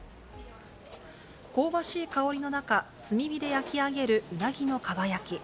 香ばしい香りの中、炭火で焼き上げるうなぎのかば焼き。